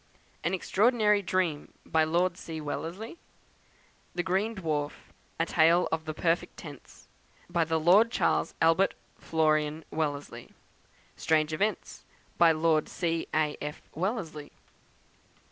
"An Extraordinary Dream," by Lord C. Wellesley. "The Green Dwarf, a Tale of the Perfect Tense," by the Lord Charles Albert Florian Wellesley. "Strange Events," by Lord C. A. F. Wellesley.